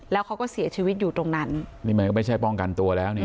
แล้วเขาก็เสียชีวิตอยู่ตรงนั้นนี่มันก็ไม่ใช่ป้องกันตัวแล้วนี่